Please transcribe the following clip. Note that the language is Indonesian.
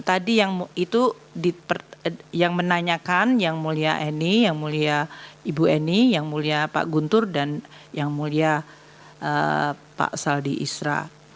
tadi yang itu yang menanyakan yang mulia eni yang mulia ibu eni yang mulia pak guntur dan yang mulia pak saldi isra